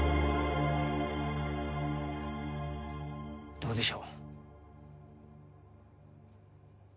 どうでしょう？